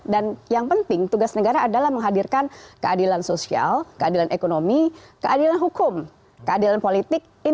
dan yang penting tugas negara adalah menghadirkan keadilan sosial keadilan ekonomi keadilan hukum keadilan politik